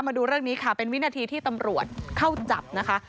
มาดูเรื่องนี้ค่ะเป็นวินาทีที่ตำรวจเข้าจับนะคะ